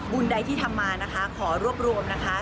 ใดที่ทำมานะคะขอรวบรวมนะคะ